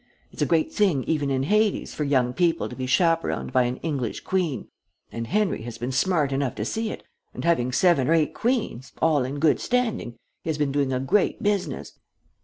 It's a great thing even in Hades for young people to be chaperoned by an English queen, and Henry has been smart enough to see it, and having seven or eight queens, all in good standing, he has been doing a great business.